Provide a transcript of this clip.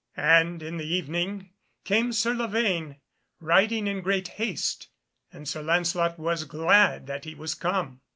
And in the evening came Sir Lavaine, riding in great haste, and Sir Lancelot was glad that he was come.